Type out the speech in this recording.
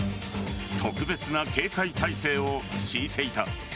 特別な警戒態勢を敷いていた。